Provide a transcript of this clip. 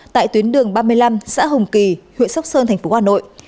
tại tuyến đường ba mươi năm xã hồng kỳ huyện sóc sơn tp hà nội